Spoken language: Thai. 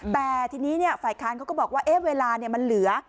แต่ทีนี้ฝ่ายค้านเขาก็บอกว่าเวลามันเหลือ